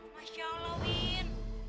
masya allah win